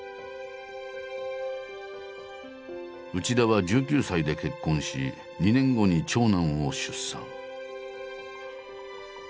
内田は１９歳で結婚し２年後に長男を出産。